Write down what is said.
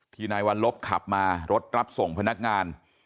นายวัลลบขับมารถรับส่งพนักงาน